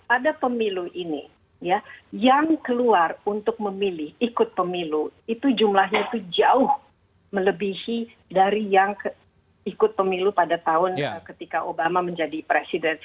pada pemilu ini ya yang keluar untuk memilih ikut pemilu itu jumlahnya itu jauh melebihi dari yang ikut pemilu pada tahun ketika obama menjadi presiden